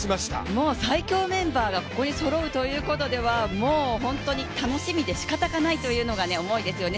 もう、最強メンバーがここにそろうということではもう本当に楽しみでしかたがないというのが思いですよね。